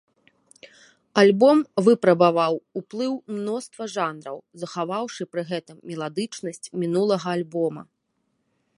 Альбом выпрабаваў ўплыў мноства жанраў, захаваўшы пры гэтым меладычнасць мінулага альбома.